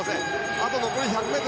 あと残り１００ｍ。